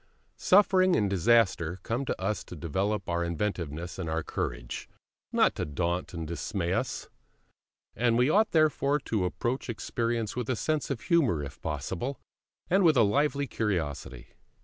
Suffering and disaster come to us to develop our inventiveness and our courage, not to daunt and dismay us; and we ought therefore to approach experience with a sense of humour, if possible, and with a lively curiosity.